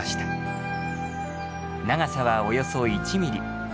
長さはおよそ１ミリ。